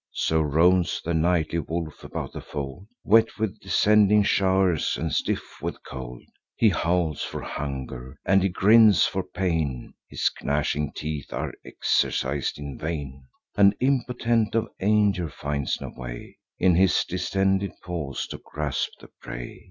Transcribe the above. So roams the nightly wolf about the fold: Wet with descending show'rs, and stiff with cold, He howls for hunger, and he grins for pain, (His gnashing teeth are exercis'd in vain,) And, impotent of anger, finds no way In his distended paws to grasp the prey.